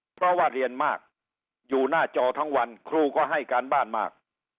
เพราะว่าเรียนมากอยู่หน้าจอทั้งวันครูก็ให้การบ้านมาก